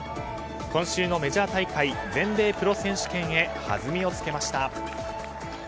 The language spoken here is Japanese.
今週のメジャー大会全米プロ選手権へはずみをつけました。